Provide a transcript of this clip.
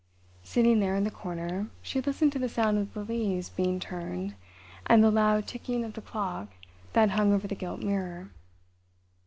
Sitting there in the corner, she listened to the sound of the leaves being turned and the loud ticking of the clock that hung over the gilt mirror.